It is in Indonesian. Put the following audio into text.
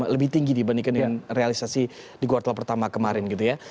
lebih tinggi dibandingkan dengan realisasi di kuartal pertama kemarin gitu ya